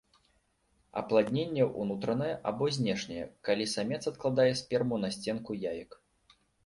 Апладненне ўнутранае або знешняе, калі самец адкладае сперму на сценку яек.